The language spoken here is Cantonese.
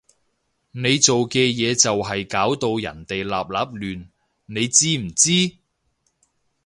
你做嘅嘢就係搞到人哋立立亂，你知唔知？